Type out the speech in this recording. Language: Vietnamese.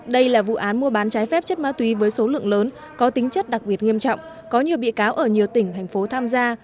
đây là vụ án mua bán trái phép chất ma túy với số lượng lớn có tính chất đặc biệt nghiêm trọng có nhiều bị cáo ở nhiều tỉnh thành phố tham gia